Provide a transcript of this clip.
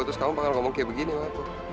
terus kamu bakal ngomong kayak begini sama aku